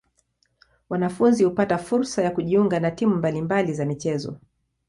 Wanafunzi hupata fursa ya kujiunga na timu mbali mbali za michezo.